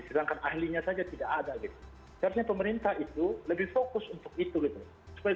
sedangkan ahlinya saja tidak ada gitu harusnya pemerintah itu lebih fokus untuk itu gitu supaya